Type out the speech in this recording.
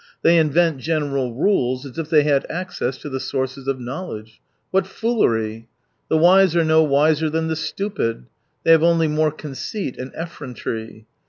They invent general rules, as if they had access to the sources of knowledge. What foolery ! The wise are no wiser than the stupid — they have only more conceit and effrontery.